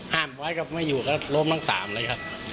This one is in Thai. ห้ามไว้ก็ไม่อยู่ก็ล็กล้มทั้งสามเลยครับ